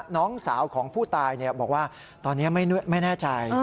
น้องสาวของผู้ตายบอกว่าตอนนี้ไม่แน่ใจ